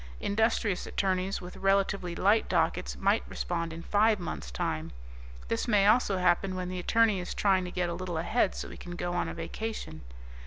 Industrious attorneys with relatively light dockets might respond in five months' time. This may also happen when the attorney is trying to get a little ahead so he can go on a vacation.